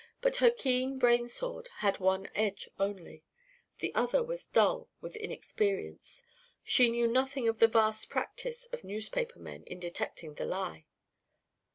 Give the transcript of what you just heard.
But her keen brain sword had one edge only; the other was dull with inexperience. She knew nothing of the vast practice of newspaper men in detecting the lie.